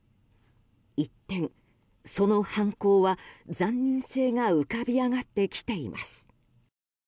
一転、その犯行は残忍性が浮かび上がってきています。